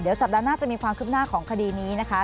เดี๋ยวสัปดาห์หน้าจะมีความขึ้นหน้าของคดีนี้นะคะ